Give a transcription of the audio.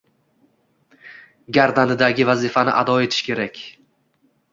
Gardanidagi vazifani ado etish kerak.